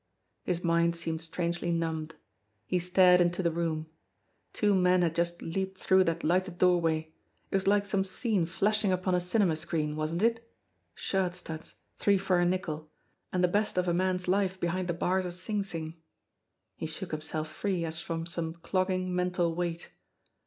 His mind seemed strangely numbed. He stared into the room. Two men had just leaped through that lighted door way. It was like some scene flashing upon a cinema screen, wasn't it? Shirt studs, three for a nickel and the best of a man's life behind the bars of Sing Sing ! He shook himself free as from some clogging mental weight.